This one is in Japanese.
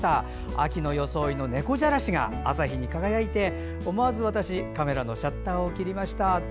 秋の装いの猫じゃらしが朝日に輝いて思わず私、カメラのシャッターを切りました。